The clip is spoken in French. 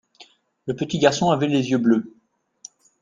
le petit garçon avait les yeux bleus.